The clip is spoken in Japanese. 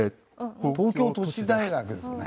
東京都市大学ですよね。